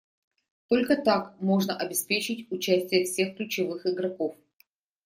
Только так можно обеспечить участие всех ключевых игроков.